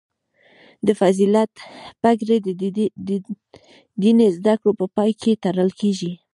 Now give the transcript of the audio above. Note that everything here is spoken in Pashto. د فضیلت پګړۍ د دیني زده کړو په پای کې تړل کیږي.